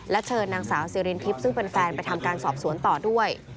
เชิญนางสาวสิรินทิพย์ซึ่งเป็นแฟนไปทำการสอบสวนต่อด้วย